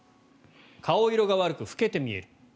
顔色が悪く老けて見える。